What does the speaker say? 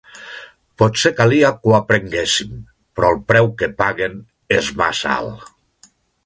Potser calia que ho aprenguéssim, però el preu que paguen és massa alt.